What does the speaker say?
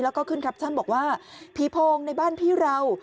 แล้วก็ขึ้นแคปชั่นบอกว่าผีโพงในบ้านพี่เรา